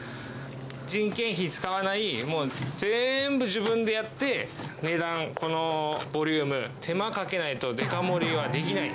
人件費使わない、もう全部、自分でやって、値段、このボリューム、手間かけないとデカ盛りはできない。